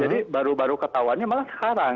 jadi baru baru ketahuannya malah sekarang